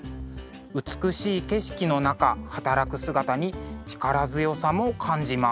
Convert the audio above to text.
美しい景色の中働く姿に力強さも感じます。